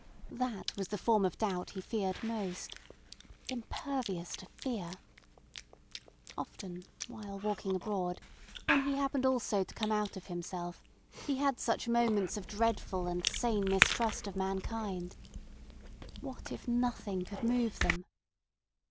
That was the form of doubt he feared most. Impervious to fear! Often while walking abroad, when he happened also to come out of himself, he had such moments of dreadful and sane mistrust of mankind. What if nothing could move them?